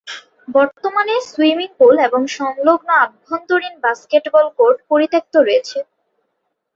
বর্তমানে, swimming pool এবং সংলগ্ন আভ্যন্তরীণ বাস্কেটবল কোর্ট পরিত্যক্ত রয়েছে।